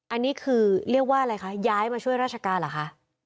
อันนี้คือเรียกว่าอะไรคะย้ายมาช่วยราชการเหรอคะ